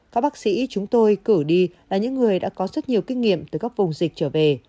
các bác sĩ chúng tôi cử đi là những người đã có rất nhiều kinh nghiệm từ các vùng dịch trở về